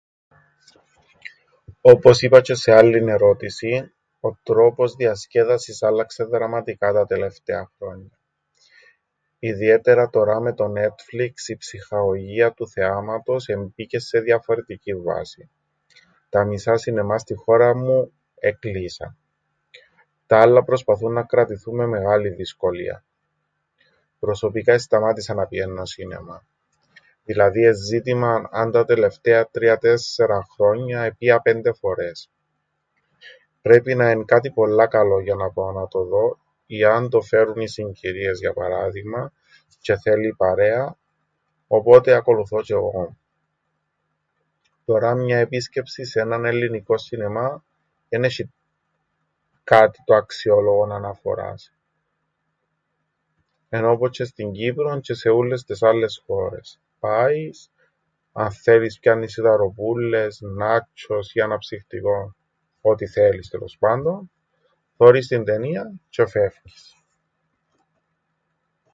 Όπως είπα τζ̆αι σε άλλην ερώτησην, ο τρόπος διασκέδασης άλλαξεν δραματικά τα τελευταία χρόνια. Ιδιαίτερα τωρά με το Νέτφλιξ η ψυχαγωγία του θεάματος εμπήκεν σε διαφορετικήν βάσην. Τα μισά σινεμά στην χώραν μου εκλείσαν. Τα άλλα προσπαθούν να κρατηθούν με μεγάλην δυσκολίαν. Προσωπικά εσταμάτησα να πηαίννω σινεμά, δηλάδή εν' ζήτημαν αν τα τελευταία τρία τέσσερα χρόνια επήα πέντε φορές. Πρέπει να εν’ κάτι πολλά καλόν για να πάω να το δω ή αν το φέρουν οι συγκυρίες για παράδειγμαν τζ̆αι θέλει η παρέα, οπότε ακολουθώ τζαι 'γω. Τωρά μια επίσκεψη σε έναν ελληνικόν σινεμά εν έσ̆ει κάτι το αξιόλογον αναφοράς. Εν' όπως τζ̆αι στην Κύπρον τζ̆αι σε ούλλες τες άλλες χώρες, πάεις, αν θέλεις πιάννεις σιταροπούλλες, νάτσ̆ος ή αναψυκτικόν, ό,τι θέλεις τέλος πάντων, θωρείς την ταινίαν τζ̆αι φεύκεις.